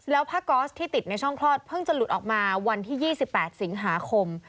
แล้วผ้าก๊อสที่ติดในช่องคลอดเพิ่งจะหลุดออกมาวันที่๒๘สิงหาคม